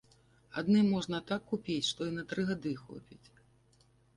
Адны можна так купіць, што і на тры гады хопіць.